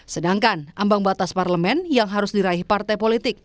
sedangkan ambang batas parlemen yang harus diraih partai politik